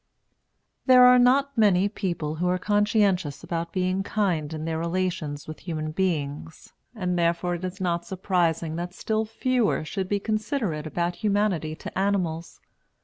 There are not many people who are conscientious about being kind in their relations with human beings; and therefore it is not surprising that still fewer should be considerate about humanity to animals.